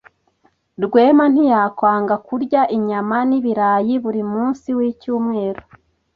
Rwema ntiyakwanga kurya inyama n'ibirayi buri munsi wicyumweru.